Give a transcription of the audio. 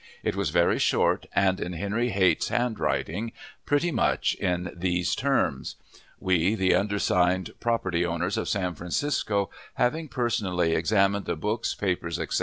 It was very short, and in Henry Haight's handwriting, pretty much in these terms: "We, the undersigned property holders of San Francisco, having personally examined the books, papers, etc.